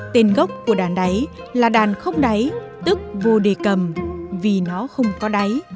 tên gốc của đàn đáy là đàn không đáy tức vô đề cầm vì nó không có đáy